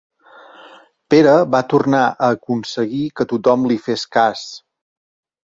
Pere va tornar a aconseguir que tothom li fes cas.